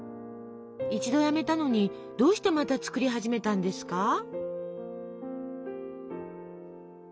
一度やめたのにどうしてまた作り始めたんですか？